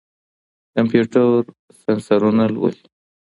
کمپيوټر سېنسرونه لولي.